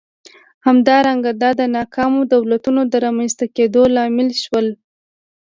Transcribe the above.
همدارنګه دا د ناکامو دولتونو د رامنځته کېدو لامل شول.